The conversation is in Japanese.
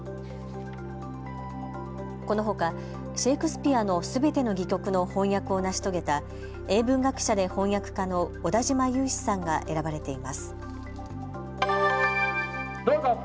このほかシェークスピアのすべての戯曲の翻訳を成し遂げた英文学者で翻訳家の小田島雄志さんが選ばれています。